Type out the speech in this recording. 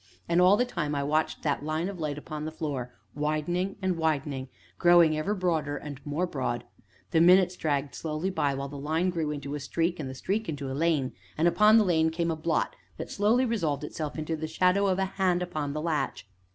And all the time I watched that line of light upon the floor widening and widening, growing ever broader and more broad. The minutes dragged slowly by, while the line grew into a streak, and the streak into a lane, and upon the lane came a blot that slowly resolved itself into the shadow of a hand upon the latch.